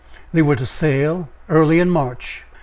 They were to sail early in March.